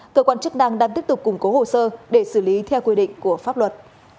cơ quan chức năng đang tiếp tục củng cố hồ sơ để xử lý theo quy định của pháp luật